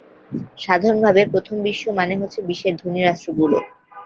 সাধারণভাবে, প্রথম বিশ্ব মানে হচ্ছে বিশ্বের ধনী রাষ্ট্রগুলো।